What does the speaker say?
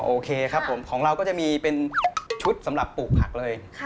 โอเคครับผมของเราก็จะมีเป็นชุดสำหรับปลูกผักเลย